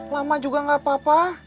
lama juga gak apa apa